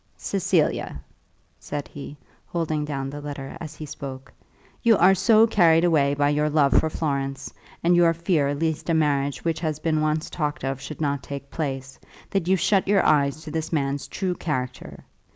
"Cecilia," said he, holding down the letter as he spoke, "you are so carried away by your love for Florence, and your fear lest a marriage which has been once talked of should not take place, that you shut your eyes to this man's true character.